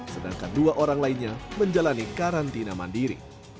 sedangkan dua orang lainnya menjalani karantina mandiri